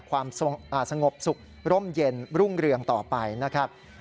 ความสงบสุขร่มเย็นรุ่งเรืองต่อไปนะครับ